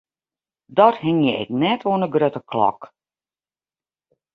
Dat hingje ik net oan 'e grutte klok.